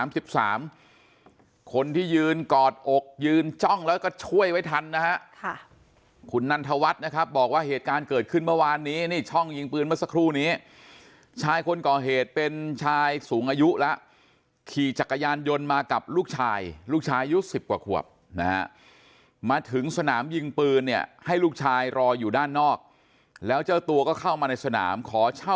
คนที่ยืนกอดอกยืนจ้องแล้วก็ช่วยไว้ทันนะฮะค่ะคุณนันทวัฒน์นะครับบอกว่าเหตุการณ์เกิดขึ้นเมื่อวานนี้นี่ช่องยิงปืนเมื่อสักครู่นี้ชายคนก่อเหตุเป็นชายสูงอายุแล้วขี่จักรยานยนต์มากับลูกชายลูกชายอายุ๑๐กว่าขวบนะฮะมาถึงสนามยิงปืนเนี่ยให้ลูกชายรออยู่ด้านนอกแล้วเจ้าตัวก็เข้ามาในสนามขอเช่า